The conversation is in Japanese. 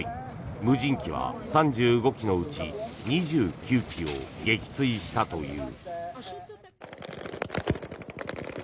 無人機は３５機のうち２９機を撃墜したという。